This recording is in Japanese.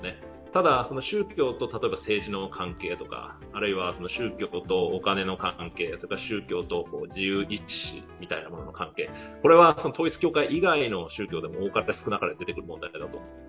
ただ、宗教と例えば政治の関係とかあるいは宗教とお金の関係宗教と自由意思みたいなものの関係、これは統一教会以外の宗教でも多かれ少なかれ出てくる問題です。